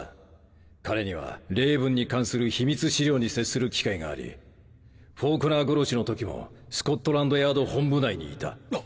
彼にはレイブンに関する秘密資料に接する機会がありフォークナー殺しの時もスコットランドヤード本部内にいた。